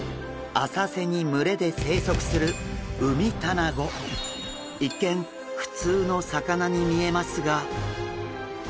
浅瀬に群れで生息する一見普通の魚に見えますが。